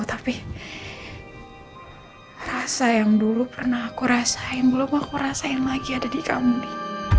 tapi rasa yang dulu pernah aku rasain belum aku rasain lagi ada di kamu nih